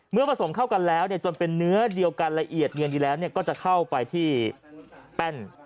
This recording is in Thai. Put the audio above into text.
ผสมเข้ากันแล้วจนเป็นเนื้อเดียวกันละเอียดเงินดีแล้วก็จะเข้าไปที่แป้น